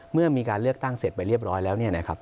เมื่อมีการเลือกตั้งเสร็จไปเรียบร้อยแล้วเนี่ยนะครับ